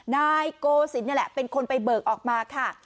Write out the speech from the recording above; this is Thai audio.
นายโกศิลป์นี่แหละเป็นคนไปเบิกออกมาค่ะ